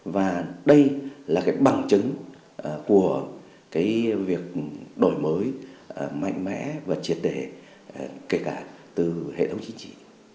và đây là bằng chứng của việc đổi mới mạnh mẽ và triệt đề kể cả từ hệ thống chính trị